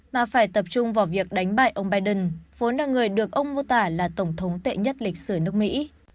mà phải tập trung vào việc đánh bại ông biden vốn là người được ông mô tả là tổng thống tệ nhất lịch sử nước mỹ